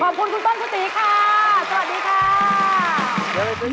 ขอบคุณคุณต้นคุณตีค่ะสวัสดีค่ะ